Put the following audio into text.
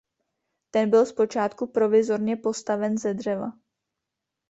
Ten byl zpočátku provizorně postaven ze dřeva.